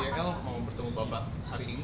pak sel mau bertemu pak hari ini